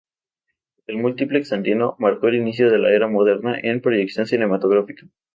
El Multiplex Andino marcó el inicio de la era moderna en proyección cinematográfica.